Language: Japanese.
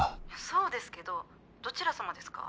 そうですけどどちら様ですか？